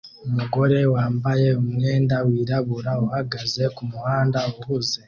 Umugore wambaye umwenda wirabura uhagaze kumuhanda uhuze